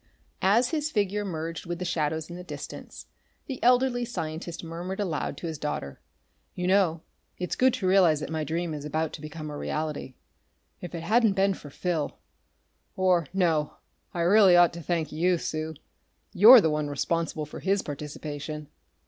As his figure merged with the shadows in the distance, the elderly scientist murmured aloud to his daughter: "You know, it's good to realize that my dream is about to become a reality. If it hadn't been for Phil.... Or no I really ought to thank you, Sue. You're the one responsible for his participation!"